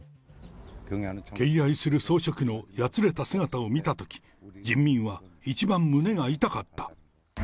敬愛する総書記のやつれた姿を見たとき、人民は一番胸が痛かった。